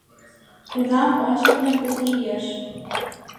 Кунам ончылнем Ур лиеш?